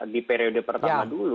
di periode pertama dulu